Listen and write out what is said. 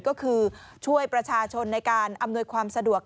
ก็คือช่วยประชาชนในการอำนวยความสะดวก